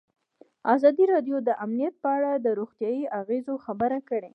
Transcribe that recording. ازادي راډیو د امنیت په اړه د روغتیایي اغېزو خبره کړې.